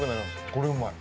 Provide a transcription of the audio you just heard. これうまい。